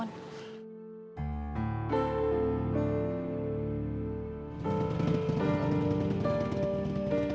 aku harus mendapatkan raya kembali